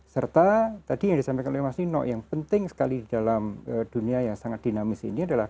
serta tadi yang disampaikan oleh mas nino yang penting sekali dalam dunia yang sangat dinamis ini adalah